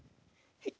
はい。